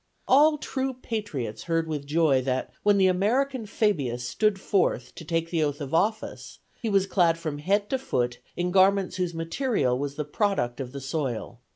All true patriots heard with joy that ... when the American Fabius stood forth to take the oath of office he was clad from head to foot in garments whose material was the product of the soil."